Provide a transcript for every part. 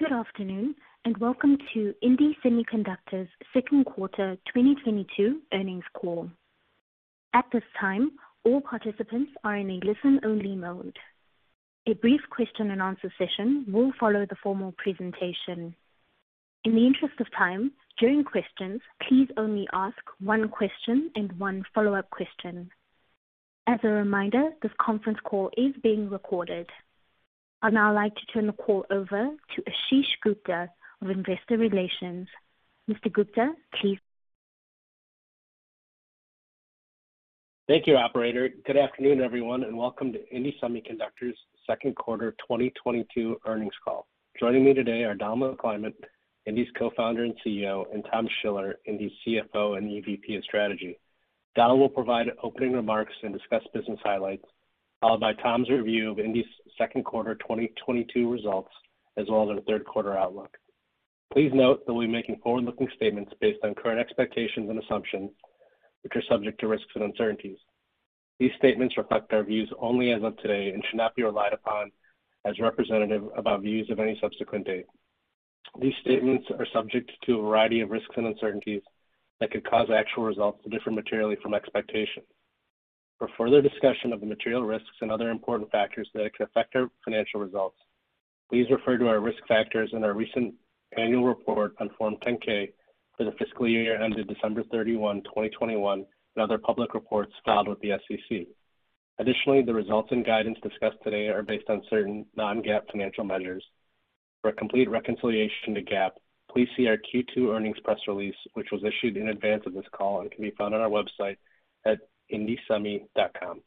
Good afternoon, and welcome to indie Semiconductor's second quarter 2022 earnings call. At this time, all participants are in a listen-only mode. A brief question and answer session will follow the formal presentation. In the interest of time, during questions, please only ask one question and one follow-up question. As a reminder, this conference call is being recorded. I'd now like to turn the call over to Ashish Gupta of Investor Relations. Mr. Gupta, please. Thank you, operator. Good afternoon, everyone, and welcome to indie Semiconductor's second quarter 2022 earnings call. Joining me today are Donald McClymont, indie's Co-founder and CEO, and Thomas Schiller, indie's CFO and EVP of Strategy. Donald will provide opening remarks and discuss business highlights, followed by Thomas's review of indie's second quarter 2022 results, as well as our third quarter outlook. Please note that we'll be making forward-looking statements based on current expectations and assumptions, which are subject to risks and uncertainties. These statements reflect our views only as of today and should not be relied upon as representative about views of any subsequent date. These statements are subject to a variety of risks and uncertainties that could cause actual results to differ materially from expectations. For further discussion of the material risks and other important factors that could affect our financial results, please refer to our risk factors in our recent annual report on Form 10-K for the fiscal year ended December 31, 2021, and other public reports filed with the SEC. Additionally, the results and guidance discussed today are based on certain non-GAAP financial measures. For a complete reconciliation to GAAP, please see our Q2 earnings press release, which was issued in advance of this call and can be found on our website at indiesemi.com.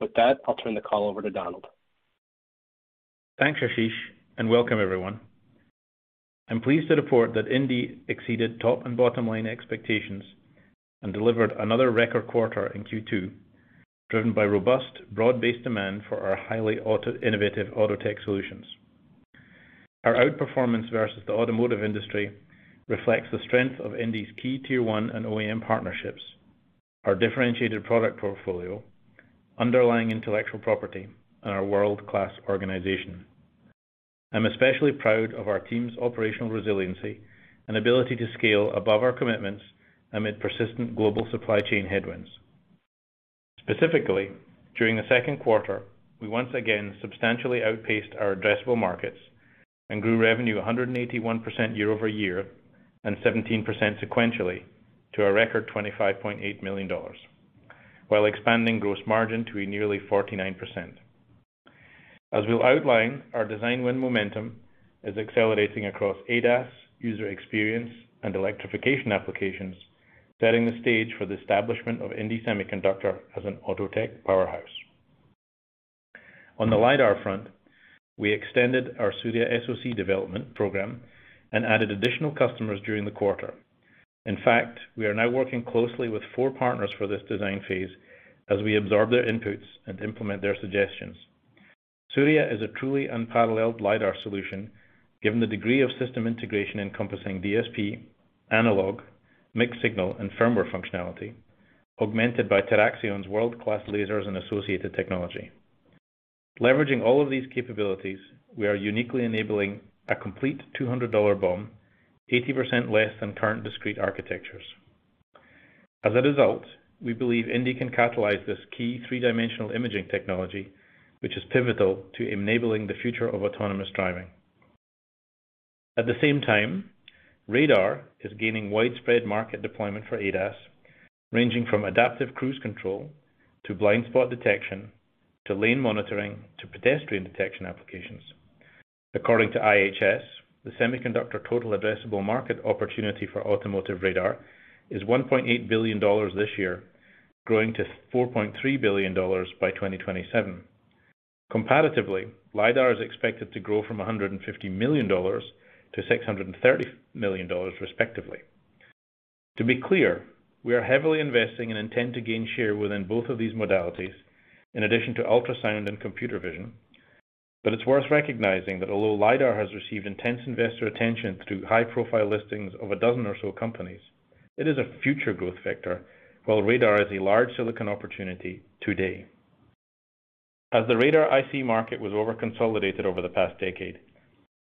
With that, I'll turn the call over to Donald. Thanks, Ashish, and welcome everyone. I'm pleased to report that indie exceeded top and bottom line expectations and delivered another record quarter in Q2, driven by robust, broad-based demand for our highly automated innovative auto tech solutions. Our outperformance versus the automotive industry reflects the strength of indie's key tier one and OEM partnerships, our differentiated product portfolio, underlying intellectual property, and our world-class organization. I'm especially proud of our team's operational resiliency and ability to scale above our commitments amid persistent global supply chain headwinds. Specifically, during the second quarter, we once again substantially outpaced our addressable markets and grew revenue 181% year-over-year and 17% sequentially to a record $25.8 million, while expanding gross margin to nearly 49%. As we'll outline, our design win momentum is accelerating across ADAS, user experience, and electrification applications, setting the stage for the establishment of indie Semiconductor as an auto tech powerhouse. On the LiDAR front, we extended our Surya SoC development program and added additional customers during the quarter. In fact, we are now working closely with four partners for this design phase as we absorb their inputs and implement their suggestions. Surya is a truly unparalleled LiDAR solution, given the degree of system integration encompassing DSP, analog, mixed signal, and firmware functionality, augmented by TeraXion's world-class lasers and associated technology. Leveraging all of these capabilities, we are uniquely enabling a complete $200 BOM, 80% less than current discrete architectures. As a result, we believe indie can catalyze this key three-dimensional imaging technology, which is pivotal to enabling the future of autonomous driving. At the same time, radar is gaining widespread market deployment for ADAS, ranging from adaptive cruise control to blind spot detection, to lane monitoring, to pedestrian detection applications. According to IHS, the semiconductor total addressable market opportunity for automotive radar is $1.8 billion this year, growing to $4.3 billion by 2027. Comparatively, lidar is expected to grow from $150 million-$630 million respectively. To be clear, we are heavily investing and intend to gain share within both of these modalities in addition to ultrasound and computer vision, but it's worth recognizing that although lidar has received intense investor attention through high-profile listings of a dozen or so companies, it is a future growth vector, while radar is a large silicon opportunity today. As the radar IC market was overconsolidated over the past decade,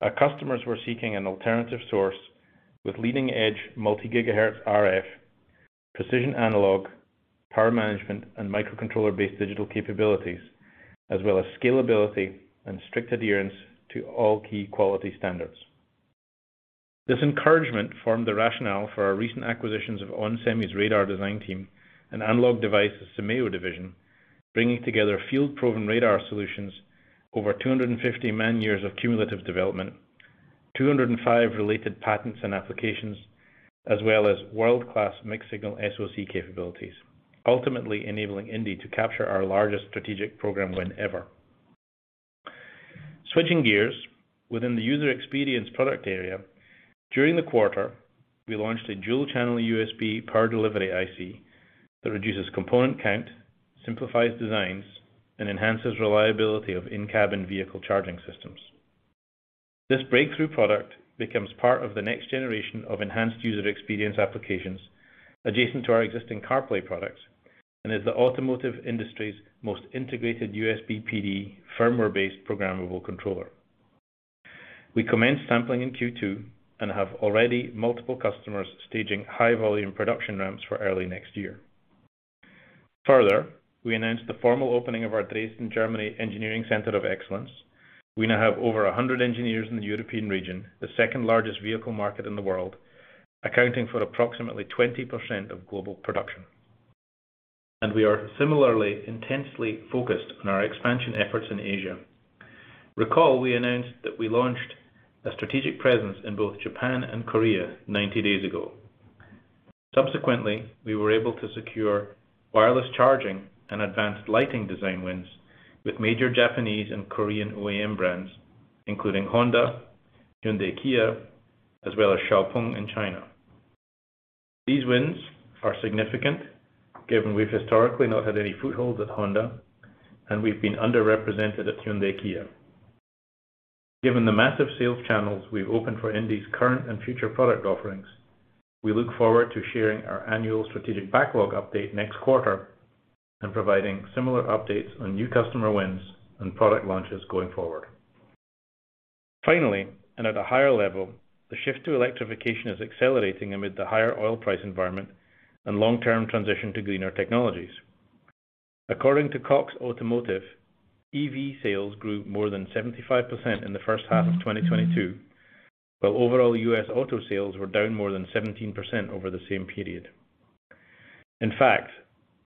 our customers were seeking an alternative source with leading edge multi-gigahertz RF, precision analog, power management, and microcontroller-based digital capabilities, as well as scalability and strict adherence to all key quality standards. This encouragement formed the rationale for our recent acquisitions of onsemi's radar design team and Analog Devices' Symeo division, bringing together field-proven radar solutions over 250 man-years of cumulative development, 205 related patents and applications, as well as world-class mixed signal SoC capabilities, ultimately enabling indie to capture our largest strategic program win ever. Switching gears within the user experience product area, during the quarter, we launched a dual channel USB power delivery IC that reduces component count, simplifies designs, and enhances reliability of in-cabin vehicle charging systems. This breakthrough product becomes part of the next generation of enhanced user experience applications adjacent to our existing CarPlay products. It is the automotive industry's most intregated USB PD firmware-based programmable controller. We commenced sampling in Q2 and have already multiple customers staging high volume production ramps for early next year. Further, we announced the formal opening of our Dresden, Germany Engineering Center of Excellence. We now have over 100 engineers in the European region, the second largest vehicle market in the world, accounting for approximately 20% of global production. We are similarly intensely focused on our expansion efforts in Asia. Recall we announced that we launched a strategic presence in both Japan and Korea 90 days ago. Subsequently, we were able to secure wireless charging and advanced lighting design wins with major Japanese and Korean OEM brands, including Honda, Hyundai Kia, as well as XPeng in China. These wins are significant given we've historically not had any foothold at Honda, and we've been underrepresented at Hyundai Kia. Given the massive sales channels we've opened for indie's current and future product offerings, we look forward to sharing our annual strategic backlog update next quarter and providing similar updates on new customer wins and product launches going forward. Finally, and at a higher level, the shift to electrification is accelerating amid the higher oil price environment and long-term transition to greener technologies. According to Cox Automotive, EV sales grew more than 75% in the first half of 2022, while overall U.S. auto sales were down more than 17% over the same period. In fact,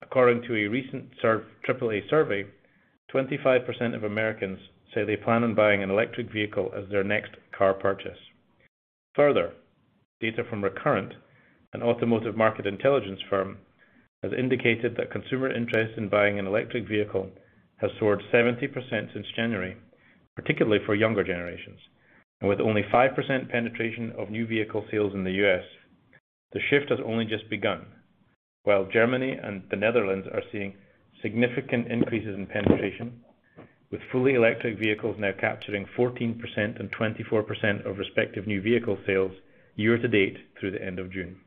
according to a recent AAA survey, 25% of Americans say they plan on buying an electric vehicle as their next car purchase. Further, data from Recurrent, an automotive market intelligence firm, has indicated that consumer interest in buying an electric vehicle has soared 70% since January, particularly for younger generations. With only 5% penetration of new vehicle sales in the U.S., the shift has only just begun. While Germany and the Netherlands are seeing significant increases in penetration, with fully electric vehicles now capturing 14% and 24% of respective new vehicle sales year to date through the end of June.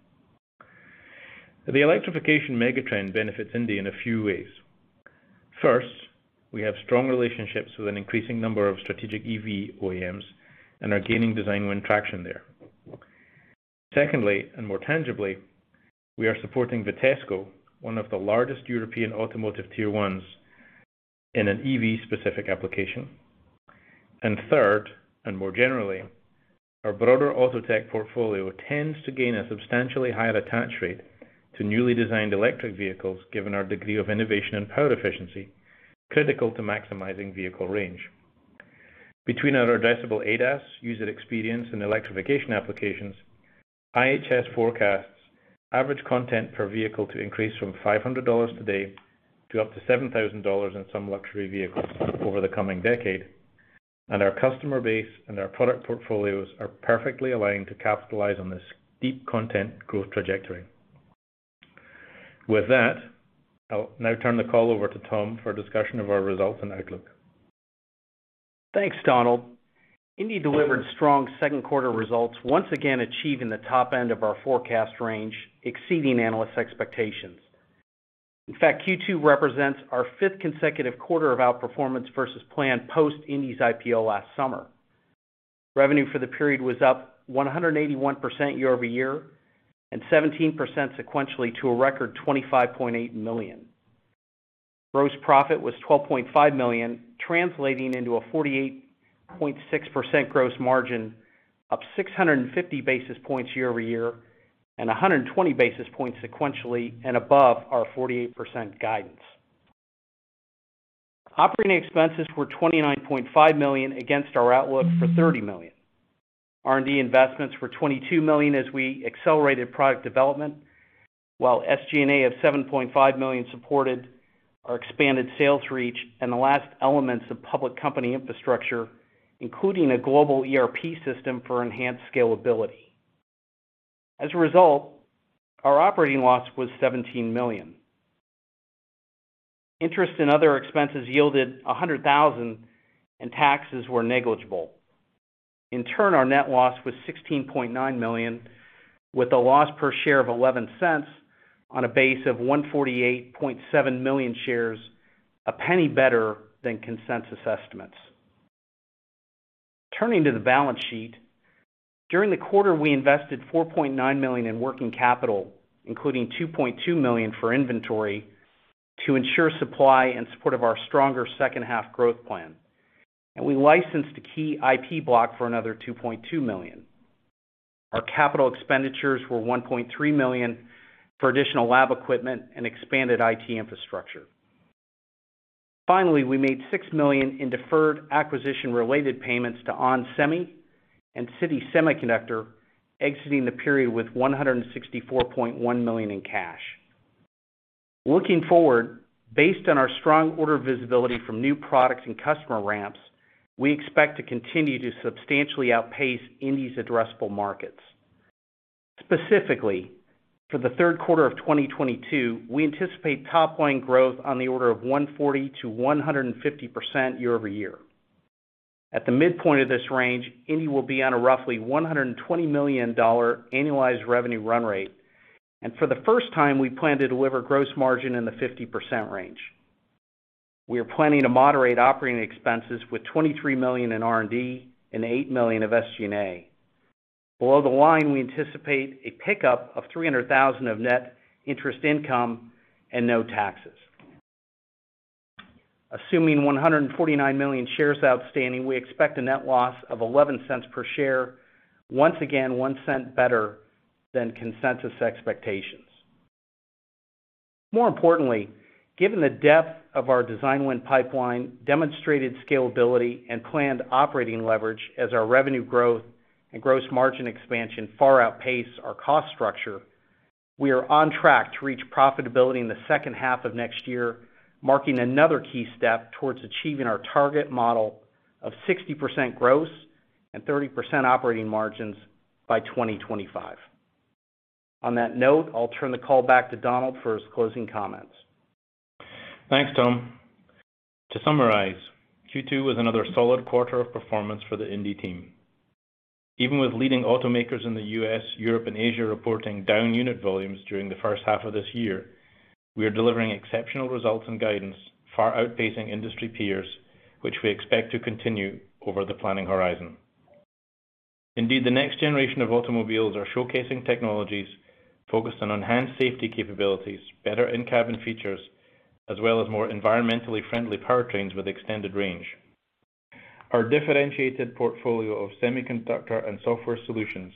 The electrification mega-trend benefits indie in a few ways. First, we have strong relationships with an increasing number of strategic EV OEMs and are gaining design win traction there. Secondly, and more tangibly, we are supporting Vitesco, one of the largest European automotive Tier ones, in an EV specific application. Third, and more generally, our broader Autotech portfolio tends to gain a substantially higher attach rate to newly designed electric vehicles given our degree of innovation and power efficiency critical to maximizing vehicle range. Between our addressable ADAS user experience and electrification applications, IHS forecasts average content per vehicle to increase from $500 today to up to $7,000 in some luxury vehicles over the coming decade. Our customer base and our product portfolios are perfectly aligned to capitalize on this deep content growth trajectory. With that, I'll now turn the call over to Tom for a discussion of our results and outlook. Thanks, Donald. indie delivered strong second quarter results, once again achieving the top end of our forecast range, exceeding analyst expectations. In fact, Q2 represents our fifth consecutive quarter of outperformance versus planned post indie's IPO last summer. Revenue for the period was up 181% year-over-year and 17% sequentially to a record $25.8 million. Gross profit was $12.5 million, translating into a 48.6% gross margin, up 650 basis points year-over-year and 120 basis points sequentially and above our 48% guidance. Operating expenses were $29.5 million against our outlook for $30 million. R&D investments were $22 million as we accelerated product development, while SG&A of $7.5 million supported our expanded sales reach and the last elements of public company infrastructure, including a global ERP system for enhanced scalability. As a result, our operating loss was $17 million. Interest and other expenses yielded $100,000 and taxes were negligible. In turn, our net loss was $16.9 million, with a loss per share of $0.11 on a base of 148.7 million shares, a $0.01 better than consensus estimates. Turning to the balance sheet. During the quarter, we invested $4.9 million in working capital, including $2.2 million for inventory to ensure supply in support of our stronger second-half growth plan. We licensed a key IP block for another $2.2 million. Our capital expenditures were $1.3 million for additional lab equipment and expanded IT infrastructure. Finally, we made $6 million in deferred acquisition-related payments to onsemi and Symeo, exiting the period with $164.1 million in cash. Looking forward, based on our strong order visibility from new products and customer ramps, we expect to continue to substantially outpace indie's addressable markets. Specifically, for the third quarter of 2022, we anticipate top line growth on the order of 140%-150% year-over-year. At the midpoint of this range, indie will be on a roughly $120 million annualized revenue run rate. For the first time, we plan to deliver gross margin in the 50% range. We are planning to moderate operating expenses with $23 million in R&D and $8 million of SG&A. Below the line, we anticipate a pickup of $300,000 of net interest income and no taxes. Assuming 149 million shares outstanding, we expect a net loss of $0.11 per share, once again, $0.01 better than consensus expectations. More importantly, given the depth of our design win pipeline, demonstrated scalability, and planned operating leverage as our revenue growth and gross margin expansion far outpace our cost structure, we are on track to reach profitability in the second half of next year, marking another key step towards achieving our target model of 60% gross and 30% operating margins by 2025. On that note, I'll turn the call back to Donald for his closing comments. Thanks, Tom. To summarize, Q2 was another solid quarter of performance for the Indie team. Even with leading automakers in the U.S., Europe, and Asia reporting down unit volumes during the first half of this year, we are delivering exceptional results and guidance, far outpacing industry peers, which we expect to continue over the planning horizon. Indeed, the next generation of automobiles are showcasing technologies focused on enhanced safety capabilities, better in-cabin features, as well as more environmentally friendly powertrains with extended range. Our differentiated portfolio of semiconductor and software solutions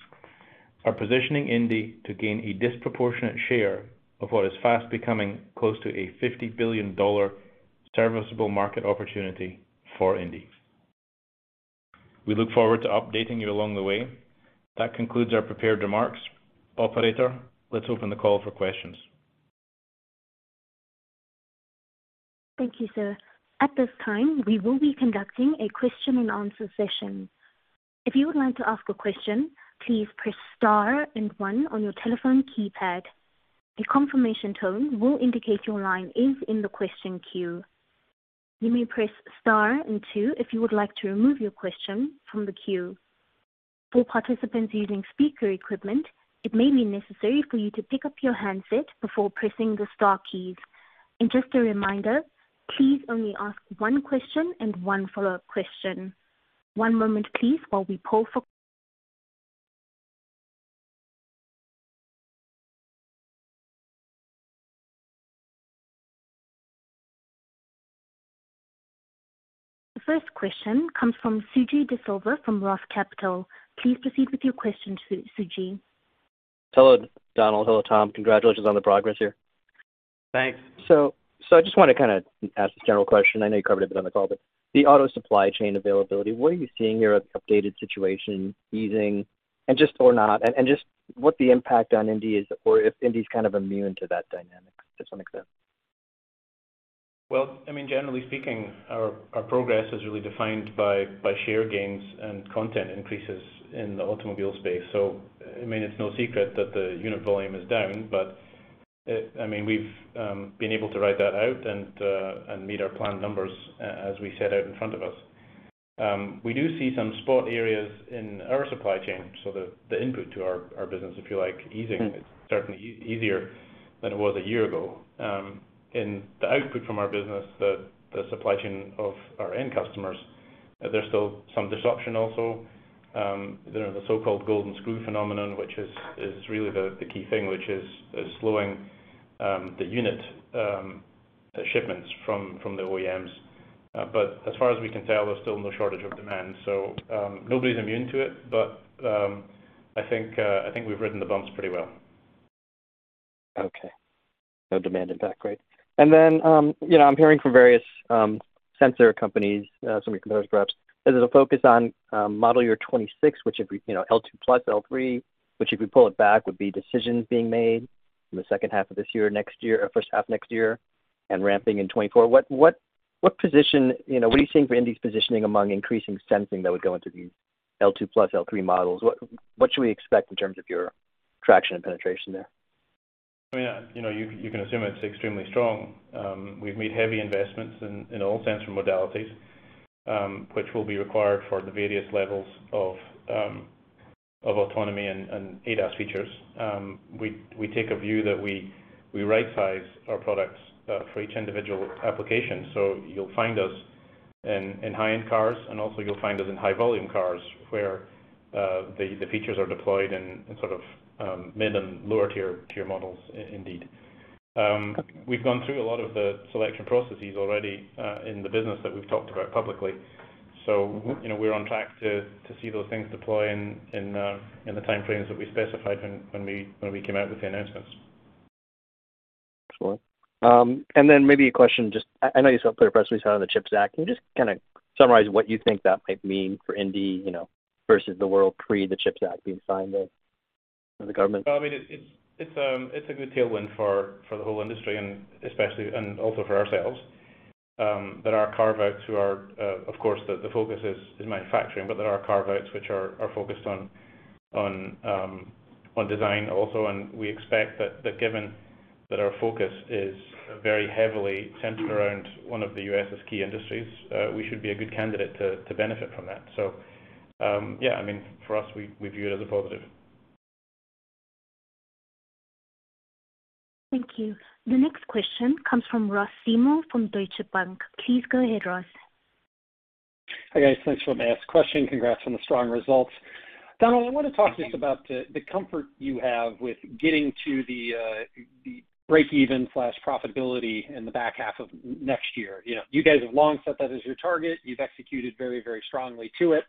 are positioning Indie to gain a disproportionate share of what is fast becoming close to a $50 billion serviceable market opportunity for Indie. We look forward to updating you along the way. That concludes our prepared remarks. Operator, let's open the call for questions. Thank you, sir. At this time, we will be conducting a question-and-answer session. If you would like to ask a question, please press star and one on your telephone keypad. A confirmation tone will indicate your line is in the question queue. You may press star and two if you would like to remove your question from the queue. For participants using speaker equipment, it may be necessary for you to pick up your handset before pressing the star keys. Just a reminder, please only ask one question and one follow-up question. One moment, please. The first question comes from Suji Desilva from Roth Capital. Please proceed with your question, Suji. Hello, Donald. Hello, Tom. Congratulations on the progress here. Thanks. I just want to kind of ask this general question. I know you covered it on the call, but the auto supply chain availability, what are you seeing here, updated situation easing and just or not, and just what the impact on indie is or if indie is kind of immune to that dynamic? Just wanna I mean, generally speaking, our progress is really defined by share gains and content increases in the automobile space. I mean, it's no secret that the unit volume is down, but I mean, we've been able to ride that out and meet our planned numbers as we set out in front of us. We do see some spot areas in our supply chain, so the input to our business, if you like, easing. It's certainly easier than it was a year ago. In the output from our business, the supply chain of our end customers, there's still some disruption also. There are the so-called golden screw phenomenon, which is really the key thing, which is slowing the unit shipments from the OEMs. As far as we can tell, there's still no shortage of demand. Nobody's immune to it, but I think we've ridden the bumps pretty well. Okay. No demand impact, great. I'm hearing from various sensor companies, some of your competitors, perhaps, that there's a focus on model year 2026, which if we L2+, L3, which if we pull it back, would be decisions being made in the second half of this year, next year or first half next year and ramping in 2024. What position, you know, what are you seeing for indie's positioning among increasing sensing that would go into these L2+, L3 models? What should we expect in terms of your traction and penetration there? I mean, you know, you can assume it's extremely strong. We've made heavy investments in all sensor modalities, which will be required for the various levels of autonomy and ADAS features. We take a view that we right size our products for each individual application. You'll find us in high-end cars, and also you'll find us in high volume cars where the features are deployed in sort of mid and lower tier models indeed. We've gone through a lot of the selection processes already in the business that we've talked about publicly. You know, we're on track to see those things deploy in the time frames that we specified when we came out with the announcements. Excellent. Maybe a question, just I know you saw President Biden's on the CHIPS Act. Can you just kinda summarize what you think that might mean for Indie, you know, versus the world pre the CHIPS Act being signed by the government? Well, I mean, it's a good tailwind for the whole industry and especially and also for ourselves. There are carve outs who are, of course, the focus is manufacturing, but there are carve outs which are focused on design also, and we expect that given that our focus is very heavily centered around one of the U.S.'s key industries, we should be a good candidate to benefit from that. Yeah, I mean, for us, we view it as a positive. Thank you. The next question comes from Ross Seymore from Deutsche Bank. Please go ahead, Ross. Hi, guys. Thanks for letting me ask a question. Congrats on the strong results. Donald, I wanna talk just about the comfort you have with getting to the break-even/profitability in the back half of next year. You know, you guys have long set that as your target. You've executed very strongly to it.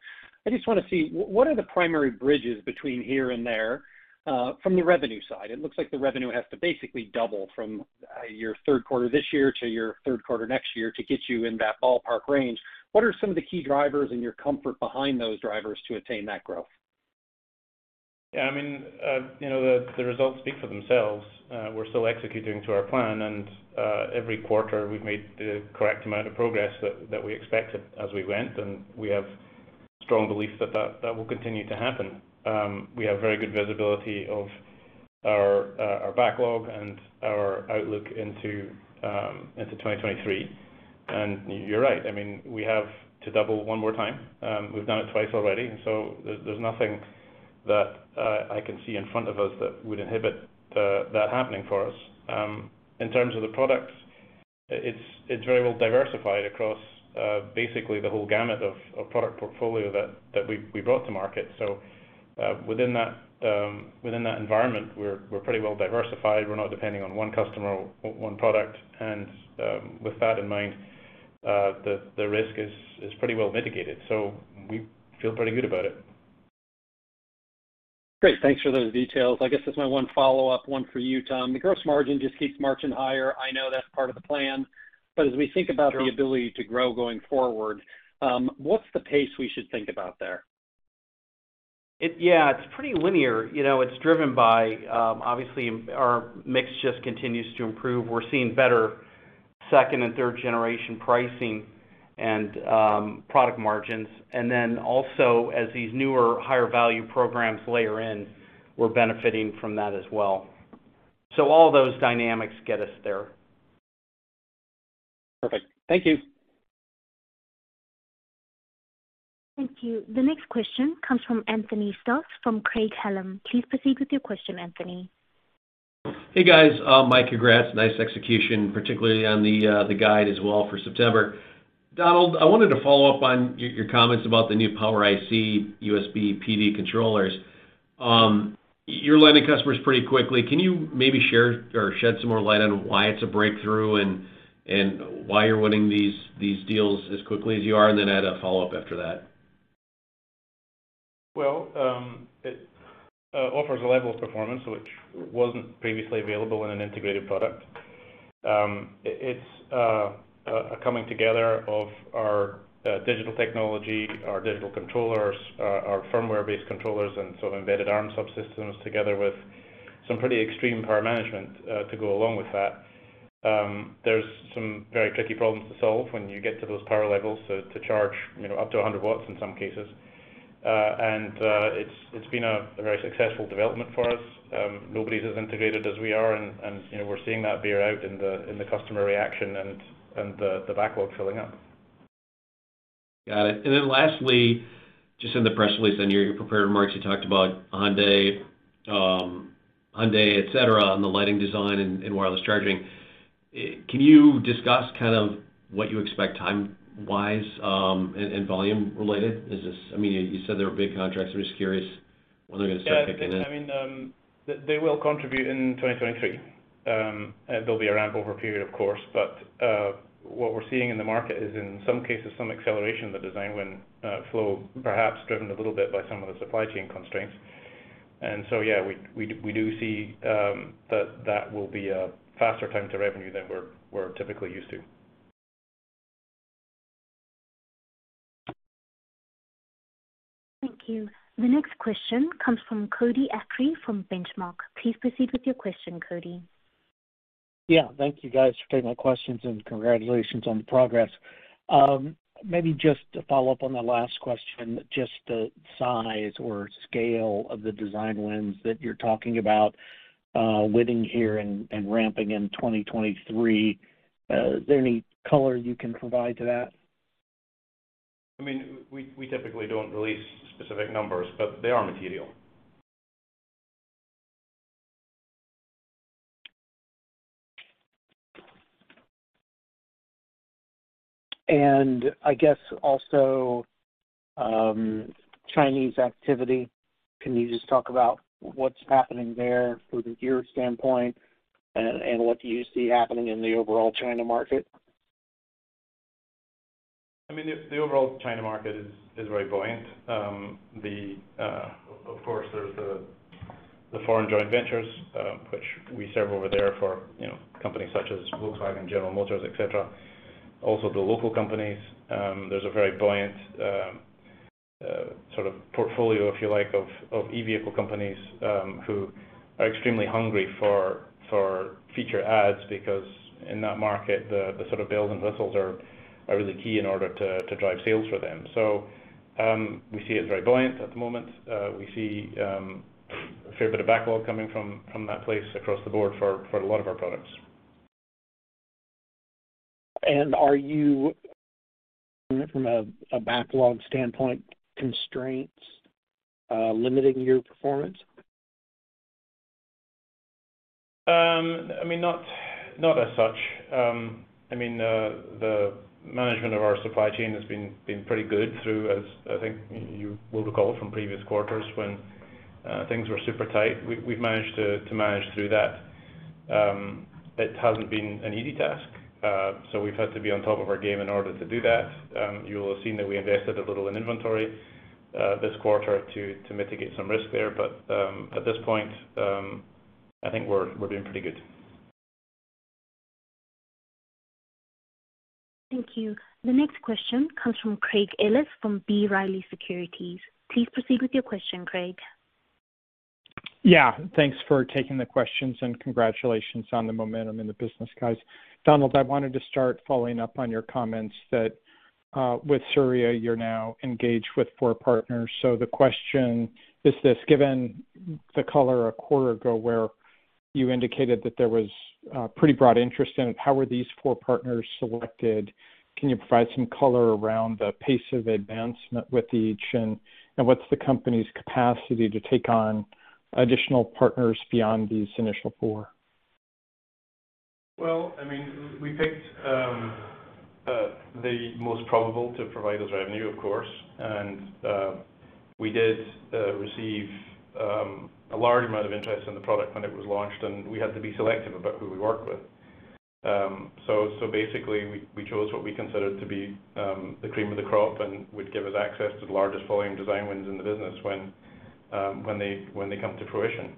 I just wanna see, what are the primary bridges between here and there, from the revenue side? It looks like the revenue has to basically double from your third quarter this year to your third quarter next year to get you in that ballpark range. What are some of the key drivers and your comfort behind those drivers to attain that growth? Yeah, I mean, you know, the results speak for themselves. We're still executing to our plan, and every quarter, we've made the correct amount of progress that we expected as we went, and we have strong belief that will continue to happen. We have very good visibility of our backlog and our outlook into 2023. You're right, I mean, we have to double one more time. We've done it twice already, and so there's nothing that I can see in front of us that would inhibit that happening for us. In terms of the products, it's very well diversified across basically the whole gamut of product portfolio that we brought to market. Within that environment, we're pretty well diversified. We're not depending on one customer or one product. With that in mind, the risk is pretty well mitigated, so we feel pretty good about it. Great. Thanks for those details. I guess just my one follow-up, one for you, Tom. The gross margin just keeps marching higher. I know that's part of the plan. As we think about. Sure... the ability to grow going forward, what's the pace we should think about there? Yeah, it's pretty linear. You know, it's driven by, obviously, our mix just continues to improve. We're seeing better second and third generation pricing and, product margins. Then also, as these newer higher value programs layer in, we're benefiting from that as well. All those dynamics get us there. Perfect. Thank you. Thank you. The next question comes from Anthony Stoss from Craig-Hallum. Please proceed with your question, Anthony. Hey, guys. My congrats. Nice execution, particularly on the guide as well for September. Donald, I wanted to follow up on your comments about the new Power IC USB PD controllers. You're landing customers pretty quickly. Can you maybe share or shed some more light on why it's a breakthrough and why you're winning these deals as quickly as you are? Add a follow-up after that. It offers a level of performance which wasn't previously available in an integrated product. It's a coming together of our digital technology, our digital controllers, our firmware-based controllers, and sort of embedded ARM subsystems together with some pretty extreme power management to go along with that. There's some very tricky problems to solve when you get to those power levels to charge, you know, up to 100 watts in some cases. It's been a very successful development for us. Nobody's as integrated as we are, and you know, we're seeing that bear out in the customer reaction and the backlog filling up. Got it. Lastly, just in the press release, in your prepared remarks, you talked about Hyundai, et cetera, and the lighting design and wireless charging. Can you discuss kind of what you expect time wise, and volume related? I mean, you said they were big contracts. I'm just curious when they're gonna start kicking in. Yeah. I mean, they will contribute in 2023. There'll be a ramp over a period, of course, but what we're seeing in the market is in some cases some acceleration in the design win flow, perhaps driven a little bit by some of the supply chain constraints. Yeah, we do see that will be a faster time to revenue than we're typically used to. Thank you. The next question comes from Cody Acree from Benchmark. Please proceed with your question, Cody. Yeah. Thank you guys for taking my questions, and congratulations on the progress. Maybe just to follow up on the last question, just the size or scale of the design wins that you're talking about, winning here and ramping in 2023. Is there any color you can provide to that? I mean, we typically don't release specific numbers, but they are material. I guess also, Chinese activity. Can you just talk about what's happening there from your standpoint and what do you see happening in the overall China market? I mean, the overall China market is very buoyant. Of course, there's the foreign joint ventures which we serve over there for, you know, companies such as Volkswagen, General Motors, et cetera. Also the local companies, there's a very buoyant sort of portfolio, if you like, of e-vehicle companies who are extremely hungry for feature adds because in that market, the sort of bells and whistles are really key in order to drive sales for them. We see it's very buoyant at the moment. We see a fair bit of backlog coming from that place across the board for a lot of our products. Are there from a backlog standpoint constraints limiting your performance? I mean, not as such. I mean, the management of our supply chain has been pretty good through, as I think you will recall from previous quarters when things were super tight. We've managed to manage through that. It hasn't been an easy task. We've had to be on top of our game in order to do that. You'll have seen that we invested a little in inventory this quarter to mitigate some risk there. At this point, I think we're doing pretty good. Thank you. The next question comes from Craig Ellis from B. Riley Securities. Please proceed with your question, Craig. Yeah. Thanks for taking the questions, and congratulations on the momentum in the business, guys. Donald, I wanted to start following up on your comments that, with Surya, you're now engaged with four partners. So the question is this, given the color a quarter ago where you indicated that there was, pretty broad interest in it, how were these four partners selected? Can you provide some color around the pace of advancement with each? And what's the company's capacity to take on additional partners beyond these initial four? Well, I mean, we picked the most probable to provide us revenue, of course. We did receive a large amount of interest in the product when it was launched, and we had to be selective about who we work with. So basically we chose what we considered to be the cream of the crop and would give us access to the largest volume design wins in the business when they come to fruition.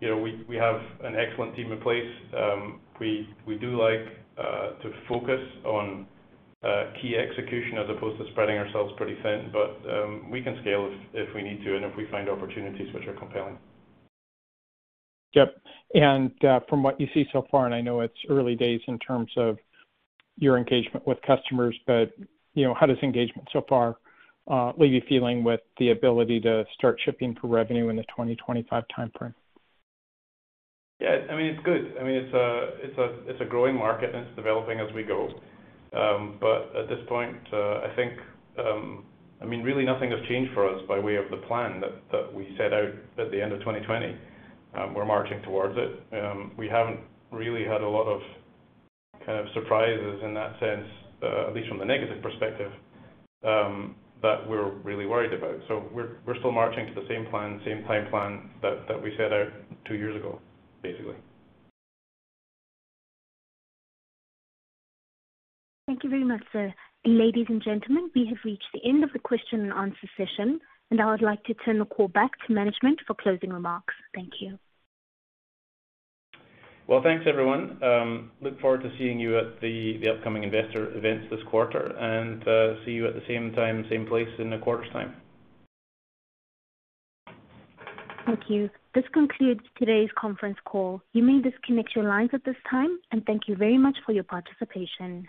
You know, we have an excellent team in place. We do like to focus on key execution as opposed to spreading ourselves pretty thin. We can scale if we need to and if we find opportunities which are compelling. Yep. From what you see so far, and I know it's early days in terms of your engagement with customers, but, you know, how does engagement so far leave you feeling with the ability to start shipping for revenue in the 2025 timeframe? Yeah. I mean, it's good. I mean, it's a growing market, and it's developing as we go. At this point, I think, I mean, really nothing has changed for us by way of the plan that we set out at the end of 2020. We're marching towards it. We haven't really had a lot of kind of surprises in that sense, at least from the negative perspective, that we're really worried about. We're still marching to the same plan, same time plan that we set out two years ago, basically. Thank you very much, sir. Ladies and gentlemen, we have reached the end of the question and answer session, and I would like to turn the call back to management for closing remarks. Thank you. Well, thanks everyone. Look forward to seeing you at the upcoming investor events this quarter, and see you at the same time, same place in a quarter's time. Thank you. This concludes today's conference call. You may disconnect your lines at this time, and thank you very much for your participation.